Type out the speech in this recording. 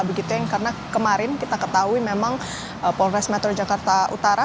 begitu yang karena kemarin kita ketahui memang polres metro jakarta utara